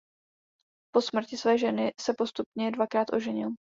Po smrti své ženy se postupně dvakrát oženil.